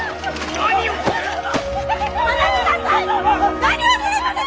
何をするのです！